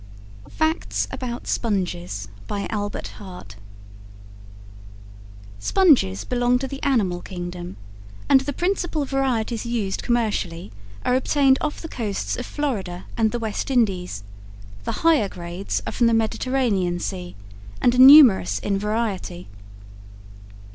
FACTS ABOUT SPONGES. By Albert Hart. Sponges belong to the animal kingdom, and the principal varieties used commercially are obtained off the coasts of Florida and the West Indies; the higher grades are from the Mediterranean Sea, and are numerous in variety.